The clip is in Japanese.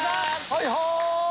はいはい！